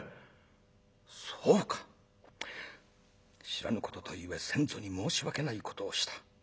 知らぬこととゆえ先祖に申し訳ないことをした。